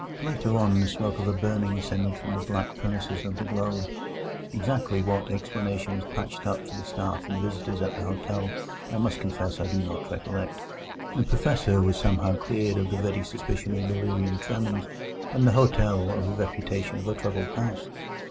Later on the smoke of a burning ascended from the back premises of the Globe. Exactly what explanation was patched up for the staff and visitors at the hotel I must confess I do not recollect. The Professor was somehow cleared of the ready suspicion of delirium tremens, and the hotel of the reputation of a troubled house.